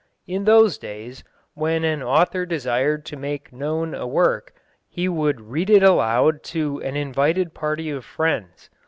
In those days, when an author desired to make known a work, he would read it aloud to an invited party of friends.